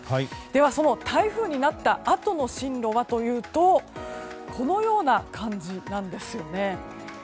その台風になったあとの進路はというとこのような感じなんですよね。